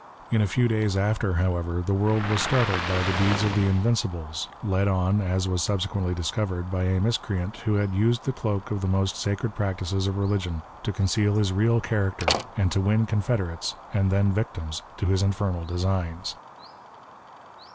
In a few days after, however, the world was startled by the deeds of tho Invincibles, led on, as was subsequently discovered, by a miscreant who had used the cloak of the most sacred practices of religion to conceal his real character, and to win confederates, and then victims, to his infernal designs.